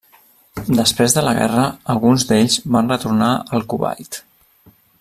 Després de la guerra, alguns d'ells van retornar al Kuwait.